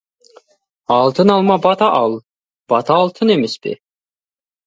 Алтын алма, бата ал, бата алтын емес пе!